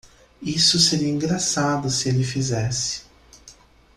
Isso seria engraçado se ele fizesse.